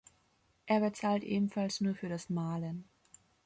Er bezahlt ebenfalls nur für das Mahlen.